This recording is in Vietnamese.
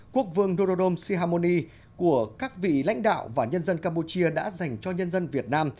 quốc vương rodom sihamoni của các vị lãnh đạo và nhân dân campuchia đã dành cho nhân dân việt nam